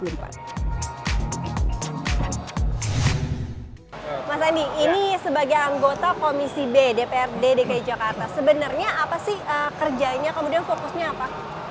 mas andi ini sebagai anggota komisi b dprd dki jakarta sebenarnya apa sih kerjanya kemudian fokusnya apa